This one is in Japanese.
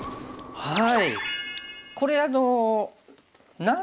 はい。